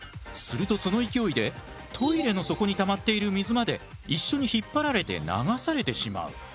するとその勢いでトイレの底にたまっている水まで一緒に引っ張られて流されてしまう。